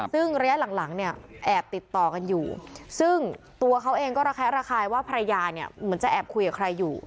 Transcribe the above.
ซึ่งระยะหลังเนี่ยแอบติดต่อกันอยู่ซึ่งตัวเขาเองก็ระแคะระคายว่าภรรยาเนี่ยเหมือนจะแอบคุยกับใครอยู่